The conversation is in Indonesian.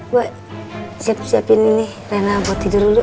gue siapin ini rina buat tidur dulu